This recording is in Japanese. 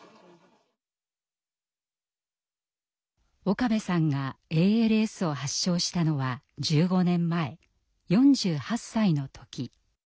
岡部さんがＡＬＳを発症したのは１５年前４８歳の時。